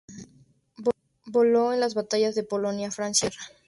Voló en las batallas de Polonia, Francia e Inglaterra.